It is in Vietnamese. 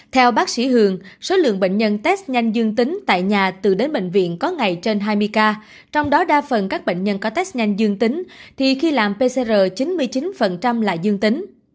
theo bác sĩ hường số lượng bệnh nhân test nhanh dương tính tại nhà từ đến bệnh viện có ngày trên hai mươi ca trong đó đa phần các bệnh nhân có test nhanh dương tính thì khi làm pcr chín mươi chín là dương tính